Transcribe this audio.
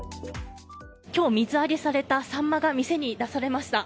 今日、水揚げされたサンマが店に出されました。